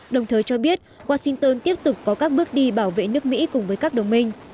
đồng thời cho biết washington tiếp tục có các bước đi bảo vệ nước mỹ cùng với các đồng minh